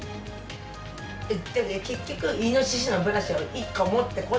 でも結局イノシシのブラシは１個持っとこう。